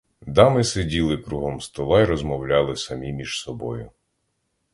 Дами сиділи кругом стола й розмовляли самі між собою.